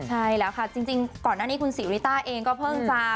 ใช่แล้วค่ะจริงก่อนหน้านี้คุณศรีริต้าเองก็เพิ่งจะ